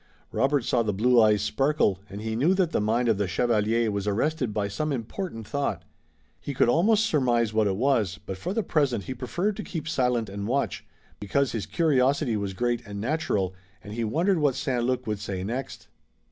Robert saw the blue eyes sparkle, and he knew that the mind of the chevalier was arrested by some important thought. He could almost surmise what it was, but for the present he preferred to keep silent and watch, because his curiosity was great and natural, and he wondered what St. Luc would say next.